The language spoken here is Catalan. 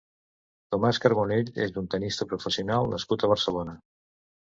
Tomás Carbonell és un tennista professional nascut a Barcelona.